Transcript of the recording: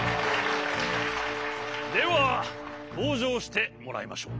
ではとうじょうしてもらいましょう。